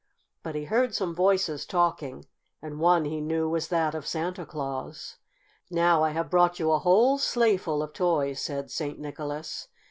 But he heard some voices talking, and one he knew was that of Santa Claus. "Now I have brought you a whole sleighful of toys," said St. Nicholas.